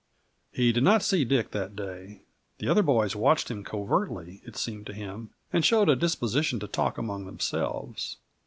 He did not see Dick that day. The other boys watched him covertly, it seemed to him, and showed a disposition to talk among themselves.